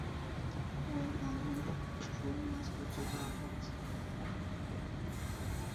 কই, মাগুর, শোলমাছ প্রচুর পাওয়া যায়।